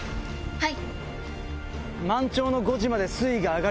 はい。